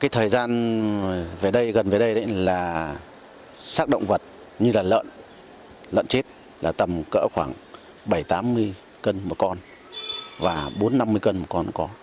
thời gian gần đây là sắc động vật như là lợn lợn chết là tầm cỡ khoảng bảy tám mươi cân một con và bốn năm mươi cân một con có